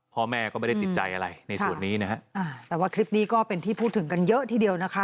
พ่อแม่ก็ไม่ได้ติดใจอะไรในส่วนนี้นะฮะอ่าแต่ว่าคลิปนี้ก็เป็นที่พูดถึงกันเยอะทีเดียวนะคะ